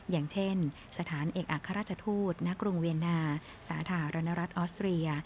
อย่างเช่นสถานเอกอัครราชทูตณกรุงเวียนนาสาธารณรัฐออสเตรีย